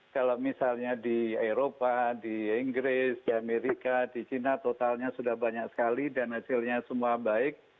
kalau misalnya di eropa di inggris di amerika di china totalnya sudah banyak sekali dan hasilnya semua baik